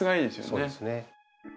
そうですね。